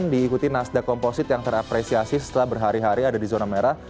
diikuti nasdaq komposit yang terapresiasi setelah berhari hari ada di zona merah